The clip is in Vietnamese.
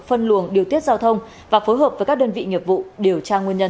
phân luồng điều tiết giao thông và phối hợp với các đơn vị nghiệp vụ điều tra nguyên nhân